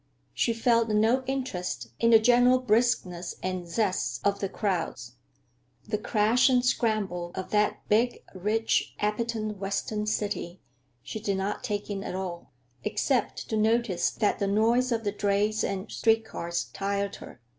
She felt no interest in the general briskness and zest of the crowds. The crash and scramble of that big, rich, appetent Western city she did not take in at all, except to notice that the noise of the drays and street cars tired her.